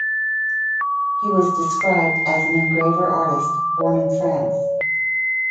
He was described as an "Engraver Artist" born in France.